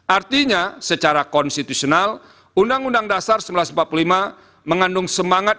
artinya secara konstitusional undang undang dasar seribu sembilan ratus empat puluh lima mengandung semangat